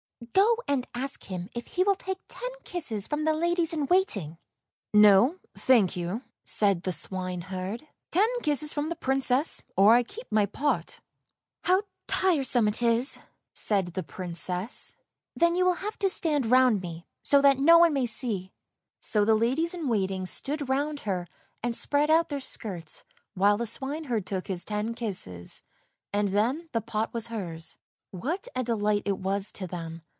" Go and ask him if he will take ten kisses from the ladies in waiting." " No, thank you," said the swineherd; " ten kisses from the Princess, or I keep my pot." " How tiresome it is," said the Princess. ' Then you will have to stand round me, so that no one may see." So the ladies in waiting stood round her and spread out their skirts while the swineherd took his ten kisses, and then the pot was hers. What a delight it was to them.